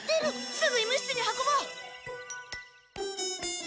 すぐ医務室に運ぼう！